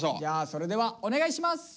それではお願いします。